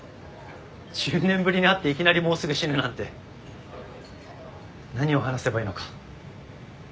１０年ぶりに会っていきなりもうすぐ死ぬなんて何を話せばいいのか。